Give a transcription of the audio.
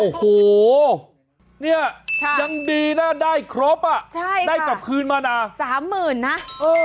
โอ้โหเนี่ยยังดีนะได้ครบอ่ะใช่ได้กลับคืนมานะสามหมื่นนะเออ